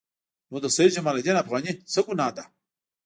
نو د سید جمال الدین افغاني څه ګناه ده.